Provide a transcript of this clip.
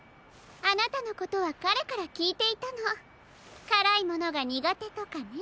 あなたのことはかれからきいていたのからいものがにがてとかね。